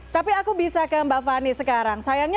tapi aku bisa ke mbak fani sekarang sayangnya